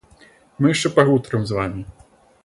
Мы яшчэ пагутарым з вамі.